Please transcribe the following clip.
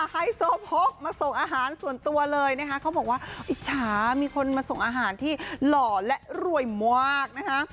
ไฮโซโพกมาส่งอาหารส่วนตัวเลยนะคะเขาบอกว่าอิจฉามีคนมาส่งอาหารที่หล่อและรวยมากนะคะ